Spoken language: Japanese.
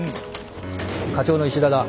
課長の石田だ。